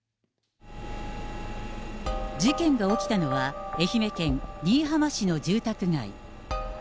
事件が起きたのは、愛媛県新居浜市の住宅街。